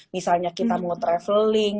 misalnya kita mau traveling